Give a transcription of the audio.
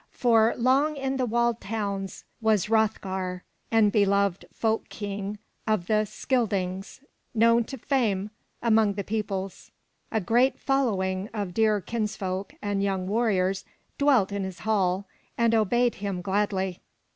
For long in the walled towns was Hroth'gar, the beloved folk king of the Scyl'dings known to fame among the peoples. A great following of dear kinsfolk and young warriors dwelt in his hall and obeyed him gladly.